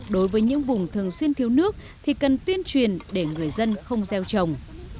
đối với những vùng thường xuyên thiếu nước thì cần tuyên truyền để người dân không gieo trồng